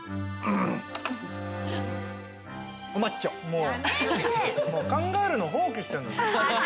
もう考えるの放棄してる。